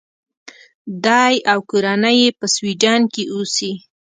دی او کورنۍ یې په سویډن کې اوسي.